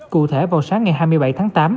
cụ thể vào sáng ngày hai mươi bảy tháng tám